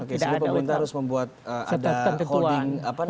oke jadi pemerintah harus membuat ada holding